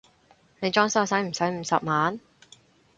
你裝修駛唔駛五十萬？